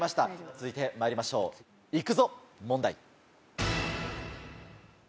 続いてまいりましょう行くぞ問題。